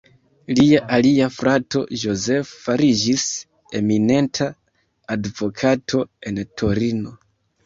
Lia alia frato Joseph fariĝis eminenta advokato en Torino.